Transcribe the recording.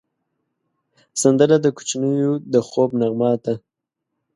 سندره د کوچنیو د خوب نغمه ده